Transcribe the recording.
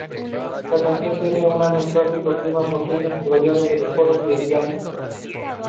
La canción tiene un nostálgico clima porteño, subrayado por los coros y el piano.